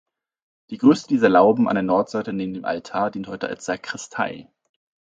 Die größte dieser Lauben an der Nordseite neben dem Altar dient heute als Sakristei.